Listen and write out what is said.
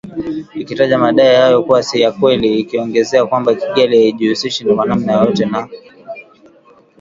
ikitaja madai hayo kuwa si ya kweli ikiongezea kwamba Kigali haijihusishi kwa namna yoyote na